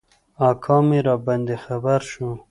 اکا مي راباندي خبر شو .